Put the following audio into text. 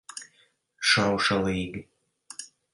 Šaušalīgi.